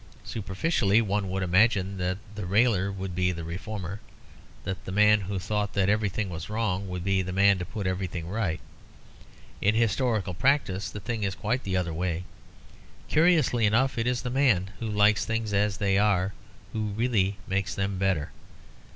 Superficially, one would imagine that the railer would be the reformer; that the man who thought that everything was wrong would be the man to put everything right. In historical practice the thing is quite the other way; curiously enough, it is the man who likes things as they are who really makes them better.